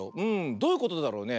どういうことだろうね。